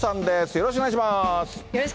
よろしくお願いします。